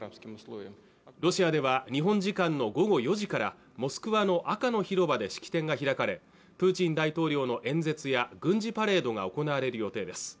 ロシアでは日本時間の午後４時からモスクワの赤の広場で式典が開かれプーチン大統領の演説や軍事パレードが行われる予定です